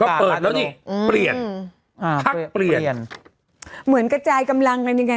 ก็เปิดแล้วนี่เปลี่ยนพักเปลี่ยนเหมือนกระจายกำลังกันยังไง